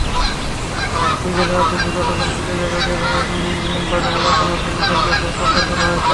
জিজ্ঞাসাবাদ শেষে গতকাল বিকেলে তাঁদের বাগমারা থানার পুলিশের কাছে হস্তান্তর করা হয়েছে।